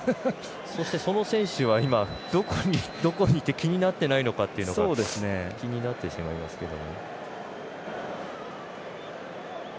そして、その選手はどこにいて気になってないのかというのが気になってしまいますけど。